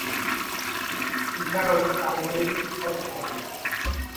Ethanol primary alcohol.